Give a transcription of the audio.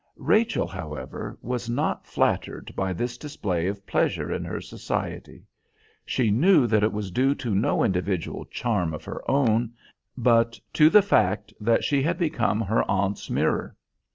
Rachel, however, was not flattered by this display of pleasure in her society. She knew that it was due to no individual charm of her own, but to the fact that she had become her aunt's mirror.